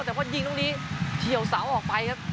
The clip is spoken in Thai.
แต่พอยิงตรงนี้เฉียวเสาออกไปครับ